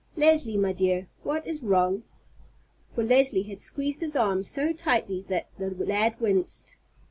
Leslie, my dear, what is wrong?" For Leslie had squeezed his arm so tightly that the lad winced.